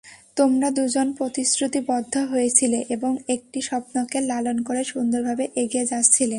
তোমরা দুজন প্রতিশ্রুতিবদ্ধ হয়েছিলে এবং একটি স্বপ্নকে লালন করে সুন্দরভাবে এগিয়ে যাচ্ছিলে।